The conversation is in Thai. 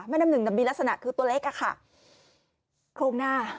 แม่น้ำหนึ่งมันมีลักษณะคือตัวเล็กอะค่ะ